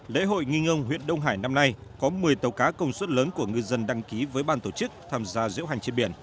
lễ hội ngưng huyện đông hải năm nay có một mươi tàu cá công suất lớn của ngư dân đăng ký với ban tổ chức tham gia diễu hành trên biển